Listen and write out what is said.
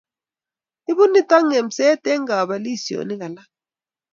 Ibu nito ng'emset eng' kabelisionik alak.